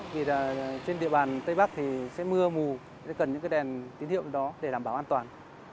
vì trên địa bàn tây bắc thì sẽ mưa mù sẽ cần những cái đèn tín hiệu đó để đảm bảo an toàn